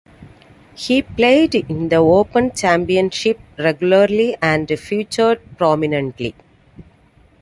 He played in the Open Championship regularly and featured prominently.